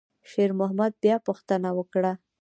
شېرمحمد بیا پوښتنه وکړه.